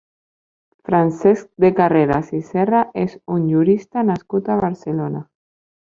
Francesc de Carreras i Serra és un jurista nascut a Barcelona.